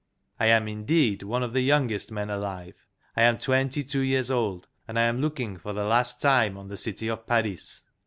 " I am indeed one of the youngest men alive I am twenty two years old. And I am looking for the last time on the city of Paris."